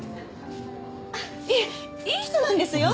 あっいえいい人なんですよ。